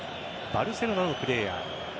バルセロナのプレーヤー。